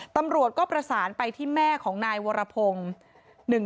ตำรวจก็ประสานไปที่แม่ของนายวรพงศ์